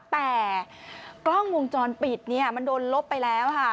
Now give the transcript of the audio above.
แต่กล้องวงจรปิดเนี่ยมันโดนลบไปแล้วค่ะ